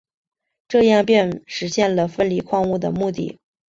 这样便实现了分离矿物的目的。